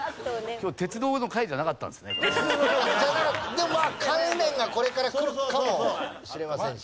でもまあ関連がこれからくるかもしれませんし。